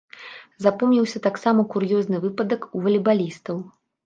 Запомніўся таксама кур'ёзны выпадак у валейбалістаў.